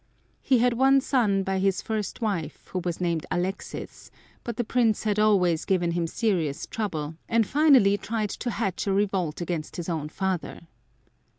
He had one son by his first wife, who was named Alexis, but the Prince had always given him serious trouble and finally tried to hatch a revolt against his own father.